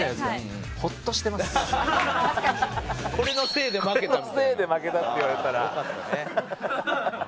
これのせいで負けたって言われたら。